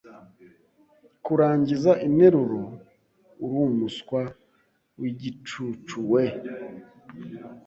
kurangiza interuroUrumuswa wigicucuwe